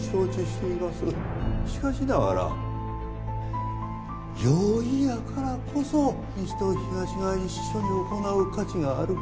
しかしながら容易やからこそ西と東が一緒に行う価値がある。